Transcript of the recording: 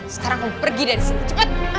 sekarang kamu pergi dari sini cepet